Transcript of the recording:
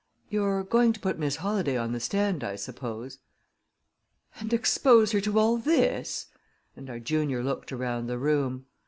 "You're going to put Miss Holladay on the stand, I suppose " "And expose her to all this?" and our junior looked around the room.